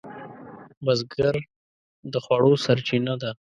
بزګر د خوړو سرچینه ده